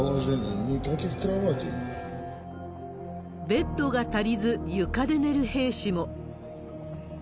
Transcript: ベッドが足りず、床で寝る兵士も。